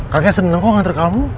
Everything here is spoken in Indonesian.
kakek seneng kok ngantre kamu